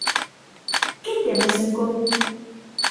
¿Que temos en común?